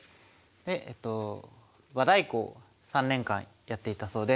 えっと和太鼓を３年間やっていたそうです。